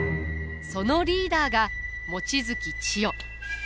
そのリーダーが望月千代。